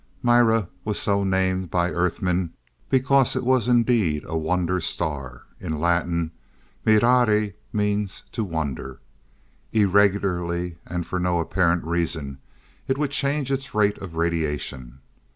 Mira was so named by Earthmen because it was indeed a "wonder" star, in Latin, mirare means "to wonder." Irregularly, and for no apparent reason it would change its rate of radiation.